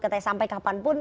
katanya sampai kapanpun